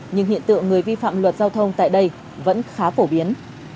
nhưng hiện tượng người vi phạm luật giao thông tại đây vẫn khá phổ biến